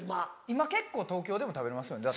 今結構東京でも食べれますよね。